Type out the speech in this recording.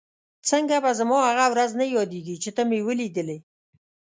څنګه به زما هغه ورځ نه یادېږي چې ته مې ولیدلې؟